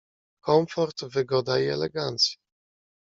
"Komfort, wygoda i elegancja..."